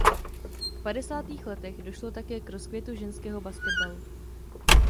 V padesátých letech došlo také k rozkvětu ženského basketbalu.